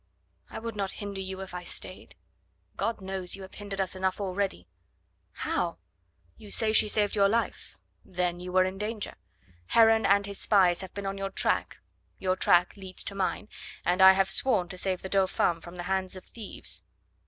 "I would not hinder you if I stayed." "God knows you have hindered us enough already." "How?" "You say she saved your life... then you were in danger... Heron and his spies have been on your track; your track leads to mine, and I have sworn to save the Dauphin from the hands of thieves....